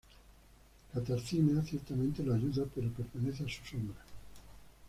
Katarzyna ciertamente lo ayuda pero permanece a su sombra.